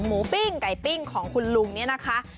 ปิ้งไก่ปิ้งของคุณลุงเนี่ยนะคะ